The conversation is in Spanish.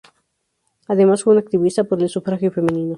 Además, fue una activista por el sufragio femenino.